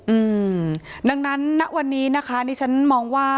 อืมดังนั้นณวันนี้นะคะดิฉันมองว่า